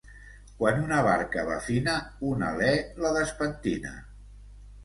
Quan una barca va fina, un alè la despentina.